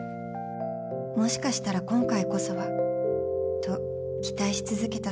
もしかしたら今回こそはと期待し続けた３年間